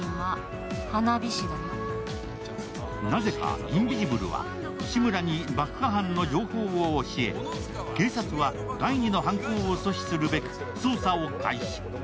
なぜかインビジブルは、志村に犯人の情報を教え、警察は第２の犯行を阻止するべく、捜査を開始。